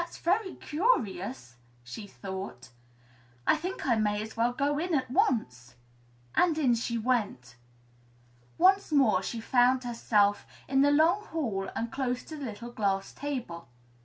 "That's very curious!" she thought. "I think I may as well go in at once." And in she went. Once more she found herself in the long hall and close to the little glass table.